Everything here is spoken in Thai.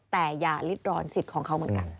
แต่อย่าลิดร้อนสิทธิ์ของเขาเหมือนกัน